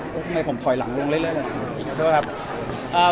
ทำไมผมถอยหลังลงเรื่อย